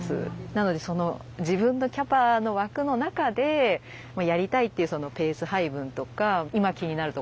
なので自分のキャパの枠の中でやりたいっていうそのペース配分とか今気になるところですかね。